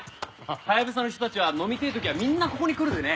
ハヤブサの人たちは飲みてえ時はみんなここに来るでね。